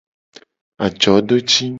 Ajodoci.